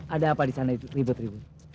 ada apa di sana itu ribet ribet